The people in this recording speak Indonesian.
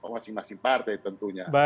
masing masing partai tentunya